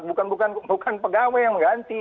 bukan pegawai yang mengganti